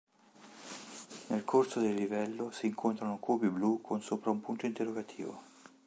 Nel corso del livello si incontrano cubi blu con sopra un punto interrogativo.